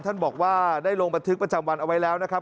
ท่านบอกว่าได้ลงบันทึกประจำวันเอาไว้แล้วนะครับ